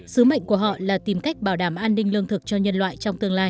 sứ mệnh của họ là tìm cách bảo đảm an ninh lương thực cho nhân loại trong tương lai